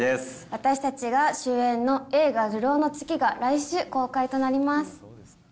私たちが主演の映画、流浪の月が来週公開となります。